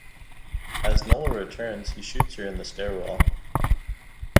As Nola returns he shoots her in the stairwell.